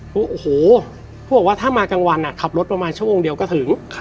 โอ้โหเขาบอกว่าถ้ามากลางวันขับรถประมาณชั่วโมงเดียวก็ถึง